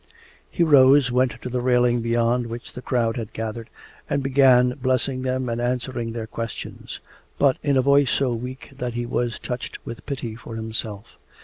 He rose, went to the railing beyond which the crowd had gathered, and began blessing them and answering their questions, but in a voice so weak that he was touched with pity for himself.